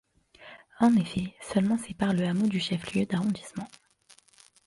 En effet, seulement séparent le hameau du chef-lieu d'arrondissement.